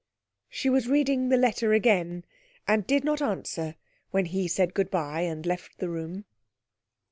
She was reading the letter again, and did not answer when he said good bye and left the room.